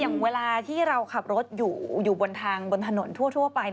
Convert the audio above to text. อย่างเวลาที่เราขับรถอยู่บนทางบนถนนทั่วไป